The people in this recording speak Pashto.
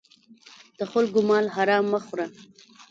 د خلکو مال حرام مه خوره.